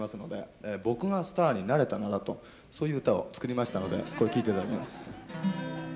「僕がスターになれたなら」とそういう歌を作りましたのでこれ聴いていただきます。